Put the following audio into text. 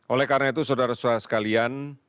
oleh karena itu saudara saudara sekalian